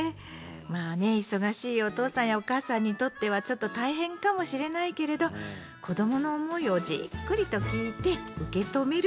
まあね忙しいお父さんやお母さんにとってはちょっと大変かもしれないけれど子どもの思いをじっくりと聴いて受け止める。